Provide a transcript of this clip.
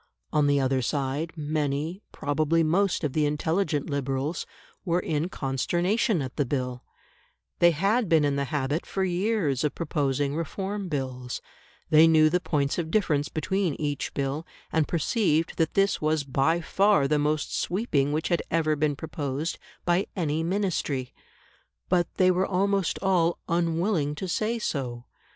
On the other side, many, probably most of the intelligent Liberals, were in consternation at the Bill; they had been in the habit for years of proposing Reform Bills; they knew the points of difference between each Bill, and perceived that this was by far the most sweeping which had ever been proposed by any Ministry. But they were almost all unwilling to say so.